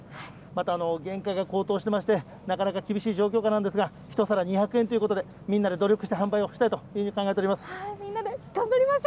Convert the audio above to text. また、原価が高騰しておりまして、なかなか厳しい状況下なんですが、１皿２００円ということで、みんなで努力して販売をしたいと考えております。